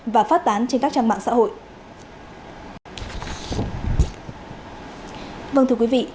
và phát tán trên các trang mạng xã hội